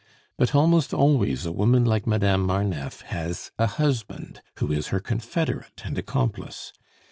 But almost always a woman like Madame Marneffe has a husband who is her confederate and accomplice.